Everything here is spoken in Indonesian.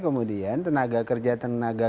kemudian tenaga kerja tenaga